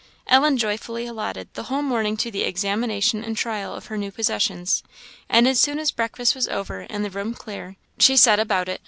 Ellen joyfully allotted the whole morning to the examination and trial of her new possessions; and as soon as breakfast was over and the room clear, she set about it.